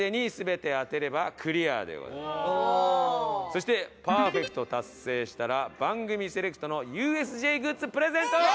そしてパーフェクト達成したら番組セレクトのＵＳＪグッズプレゼント！